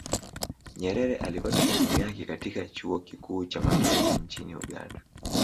Nyerere alipata elimu yake katika chuo kikuu cha Makerere nchini Uganda